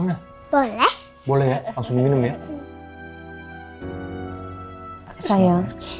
mama sama omsa mau pergi dulu sebentar ya